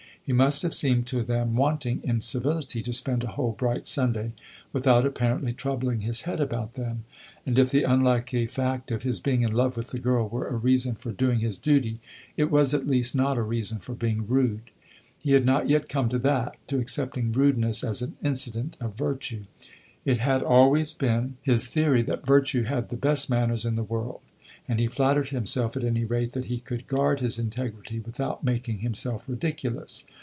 He must have seemed to them wanting in civility, to spend a whole bright Sunday without apparently troubling his head about them, and if the unlucky fact of his being in love with the girl were a reason for doing his duty, it was at least not a reason for being rude. He had not yet come to that to accepting rudeness as an incident of virtue; it had always been his theory that virtue had the best manners in the world, and he flattered himself at any rate that he could guard his integrity without making himself ridiculous.